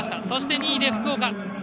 そして、２位で福岡。